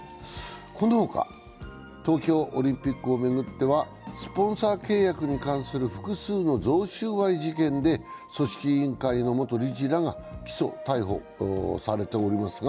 この他、東京オリンピックを巡ってはスポンサー契約に関する複数の贈収賄事件で、組織委員会の元理事らが逮捕・起訴されていますが